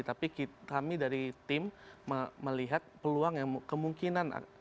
tapi kami dari tim melihat peluang yang kemungkinan